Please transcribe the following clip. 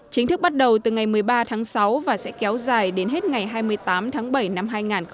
chính thức bắt đầu từ ngày một mươi ba tháng sáu và sẽ kéo dài đến hết ngày hai mươi tám tháng bảy năm hai nghìn hai mươi